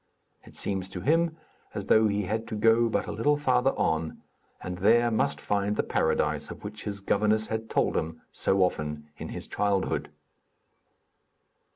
It seems to him as though he had to go but a little farther on and there must find the Paradise of which his governess had told him so often in his childhood.